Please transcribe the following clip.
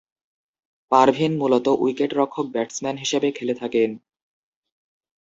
পারভিন মূলতঃ উইকেটরক্ষক-ব্যাটসম্যান হিসেবে খেলে থাকেন।